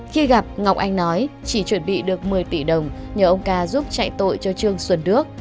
khi gặp ngọc anh nói chỉ chuẩn bị được một mươi tỷ đồng nhờ ông ca giúp chạy tội cho trương xuân đức